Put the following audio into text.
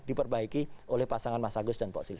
diperbaiki oleh pasangan mas agus dan pak silvi